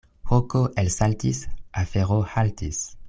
Hoko elsaltis, afero haltis.